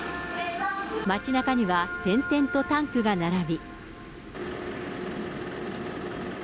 町なかには点々とタンクが並び。